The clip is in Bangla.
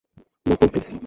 মকবুল, প্লীজ।